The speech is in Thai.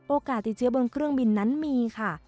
ติดเชื้อบนเครื่องบินนั้นมีค่ะ